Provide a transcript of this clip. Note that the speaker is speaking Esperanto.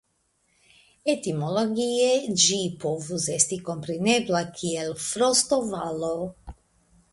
Etimologie ĝi povus estis komprenebla kiel Frostovalo.